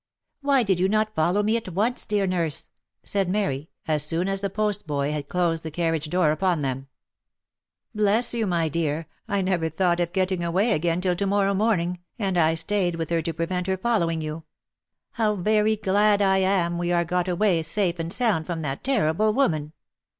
" Why did you not follow me at once, dear nurse?" said Mary, as soon as the postboy had closed the carriage door upon them. 35 •^// /x/// •////.■„// r" OF MICHAEL ARMSTRONG. 245 " Bless you, my dear, I never thought of getting away again till to morrow morning, and I staid with her to prevent her following you. How very glad I am we are got away safe and sound from that terrible woman